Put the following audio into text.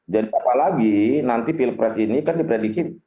jadi apalagi nanti pilpres ini kan diprediksi